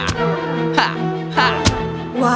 kau akan mencoba